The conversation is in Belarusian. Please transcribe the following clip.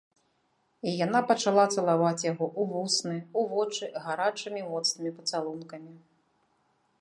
І яна пачала цалаваць яго ў вусны, у вочы гарачымі моцнымі пацалункамі.